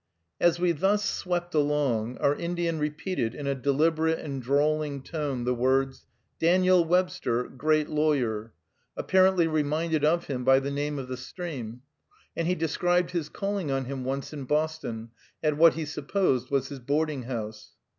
As we thus swept along, our Indian repeated in a deliberate and drawling tone the words "Daniel Webster, great lawyer," apparently reminded of him by the name of the stream, and he described his calling on him once in Boston, at what he supposed was his boarding house.